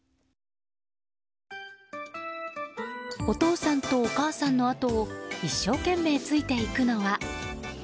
お父さんとお母さんのあとを一生懸命ついていくのは。